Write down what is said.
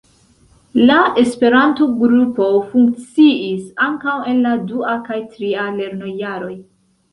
La Esperanto-grupo funkciis ankaŭ en la dua kaj tria lernojaroj.